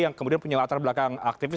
yang kemudian punya latar belakang aktivis